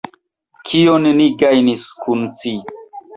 Kion ni gajnis kun ci?